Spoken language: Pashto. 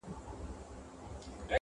کرنه د پلرونو میراث دی.